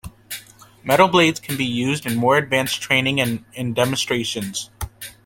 Metal blades can be used in more advanced training and in demonstrations.